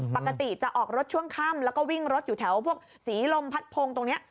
ปกติจะออกรถช่วงค่ำแล้วก็วิ่งรถอยู่แถวพวกศรีลมพัดพงตรงนี้